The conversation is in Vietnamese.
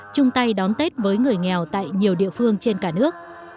chung tay đón tết với người nghèo tại nhiều địa phương trên cả nước